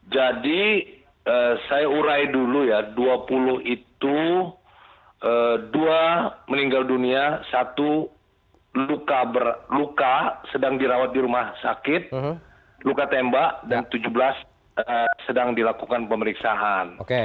jadi saya urai dulu ya dua puluh itu dua meninggal dunia satu luka sedang dirawat di rumah sakit luka tembak dan tujuh belas sedang dilakukan pemeriksaan